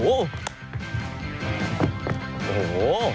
โอ้โห